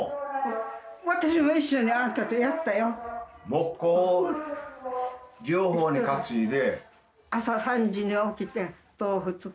もっこを両方に担いで。